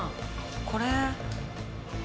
これ。